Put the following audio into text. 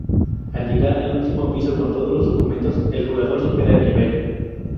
Al llegar al último piso con todos los documentos, el jugador supera el nivel.